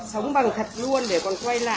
sống bằng thật luôn để còn quay lại